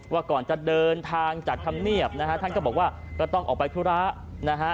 ว่าก่อนจะเดินทางจากธรรมเนียบนะฮะท่านก็บอกว่าก็ต้องออกไปธุระนะฮะ